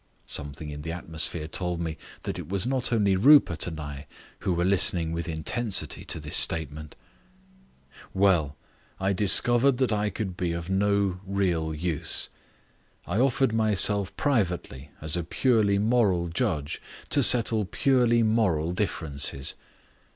Something in the atmosphere told me that it was not only Rupert and I who were listening with intensity to this statement. "Well, I discovered that I could be of no real use. I offered myself privately as a purely moral judge to settle purely moral differences.